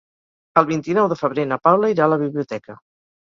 El vint-i-nou de febrer na Paula irà a la biblioteca.